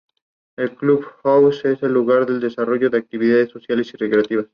Fue un pterosaurio de grandes dimensiones que habitó Europa en el Cretácico Inferior.